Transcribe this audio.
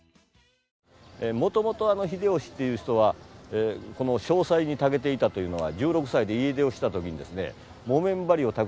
もともと秀吉っていう人は商才にたけていたというのは１６歳で家出をした時にですね。